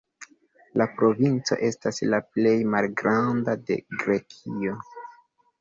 La provinco estas la plej malgranda de Grekio.